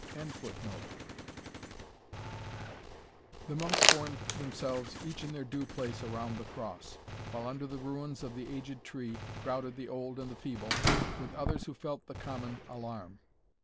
] The monks formed themselves each in their due place around the cross, while under the ruins of the aged tree crowded the old and the feeble, with others who felt the common alarm.